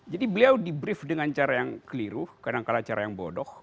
beliau di brief dengan cara yang keliru kadangkala cara yang bodoh